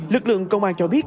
lực lượng công an cho biết